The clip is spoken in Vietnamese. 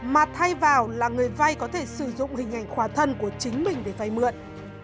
mà thay vào là người vay có thể sử dụng hình ảnh khỏa thân của chính mình để vay mượn